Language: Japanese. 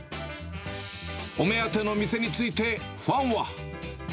お目当ての店について、ファンは。